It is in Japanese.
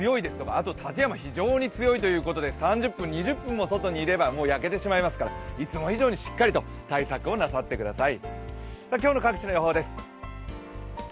あと館山、非常に強いということで３０分、２０分も外にいれば焼けてしまいますから、いつも以上にしっかりと対策をなさってください。